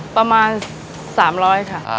ประมาณ๓๐๐ค่ะ